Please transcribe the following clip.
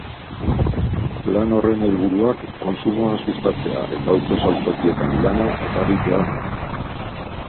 Plan horren helburuak kontsumoa sustatzea eta auto saltokietan lana eragitea da.